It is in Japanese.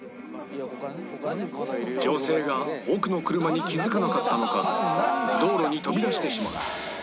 女性が奥の車に気付かなかったのか道路に飛び出してしまう